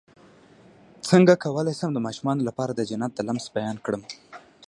څنګه کولی شم د ماشومانو لپاره د جنت د لمس بیان کړم